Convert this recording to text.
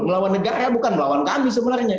melawan negara bukan melawan kami sebenarnya